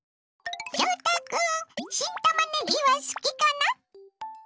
翔太君新たまねぎは好きかな？